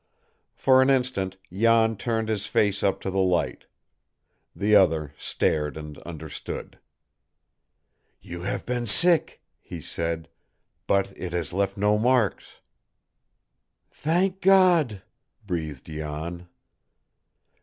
For an instant Jan turned his face up to the light The other stared and understood. "You have been sick," he said, "but it has left no marks." "Thank God!" breathed Jan.